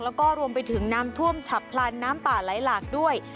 แล้วก็รวมไปถึงน้ำท่วมฉับพลันน้ำป่าไหลหลากด้วย